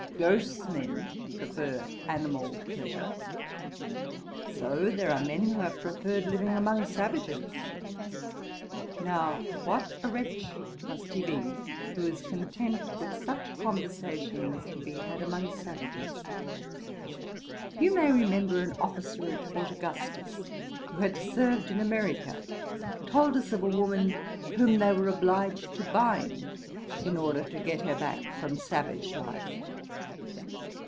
Gross men prefer animal pleasure. So there are men who have preferred living among savages. Now what a wretch must he be, who is content with such conversation as can be had among savages! You may remember an officer at Fort Augustus, who had served in America, told us of a woman whom they were obliged to bind, in order to get her back from savage life.'